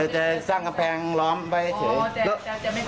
จะสร้างกำแพงล้อมไว้เฉย